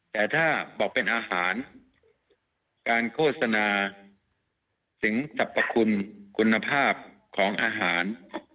แต่ถ้าบอกเป็นอาหารการโฆษณาสิงสรรพคุณคุณภาพของอาหาร